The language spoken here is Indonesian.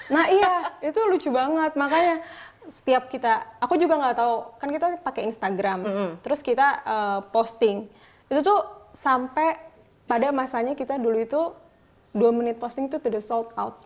nah iya itu lucu banget makanya setiap kita aku juga gak tau kan kita pakai instagram terus kita posting itu tuh sampai pada masanya kita dulu itu dua menit posting itu to the sold out